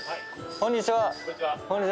こんにちは。